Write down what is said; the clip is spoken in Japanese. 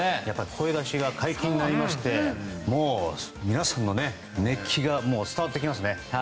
声出しが解禁になりましてもう皆さんの熱気が伝わってきますね。